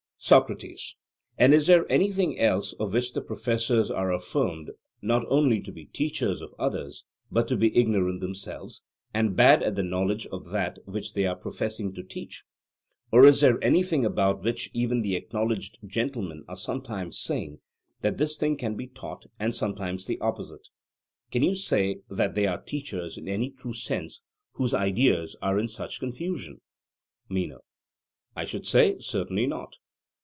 SOCRATES: And is there anything else of which the professors are affirmed not only not to be teachers of others, but to be ignorant themselves, and bad at the knowledge of that which they are professing to teach? or is there anything about which even the acknowledged 'gentlemen' are sometimes saying that 'this thing can be taught,' and sometimes the opposite? Can you say that they are teachers in any true sense whose ideas are in such confusion? MENO: I should say, certainly not.